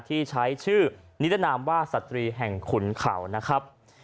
ที่ใช้ชื่อนิรนามว่าสตรีแห่งขุนเขานะครับ